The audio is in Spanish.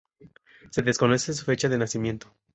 Se desconoce su fecha de nacimiento.